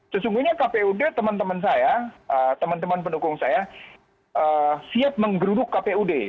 sesungguhnya kpud teman teman saya teman teman pendukung saya siap menggeruduk kpud